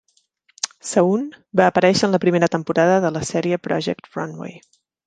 Saun va aparèixer en la primera temporada de la sèrie "Project Runway".